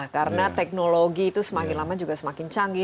karena teknologi itu semakin lama juga semakin canggih